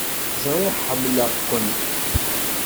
Ẓriɣ ḥemmleɣ-kent.